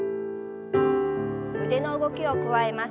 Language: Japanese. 腕の動きを加えます。